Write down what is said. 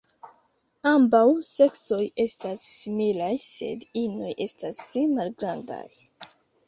Ambaŭ seksoj estas similaj, sed inoj estas pli malgrandaj.